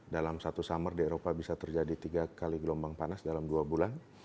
dalam satu summer di eropa bisa terjadi tiga kali gelombang panas dalam dua bulan